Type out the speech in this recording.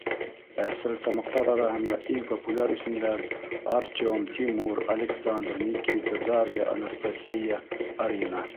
Ә стәрлетамаҡтар араһында иң популяр исемдәр — Артем, Тимур, Александр, Никита, Дарья, Анастасия, Арина...